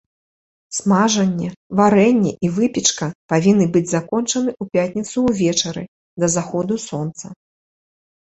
Смажанне, варэнне і выпечка павінны быць закончаны ў пятніцу ўвечары, да заходу сонца.